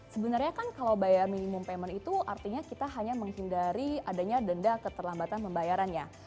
sebenarnya kan kalau bayar minimum payment itu artinya kita hanya menghindari adanya denda keterlambatan pembayarannya